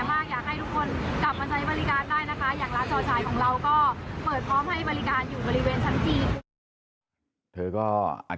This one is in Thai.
แล้วก็ต้องยอมรับว่าเราไม่รู้เลยแล้วทีนี้แบทยูก็ฟูเยอะมาก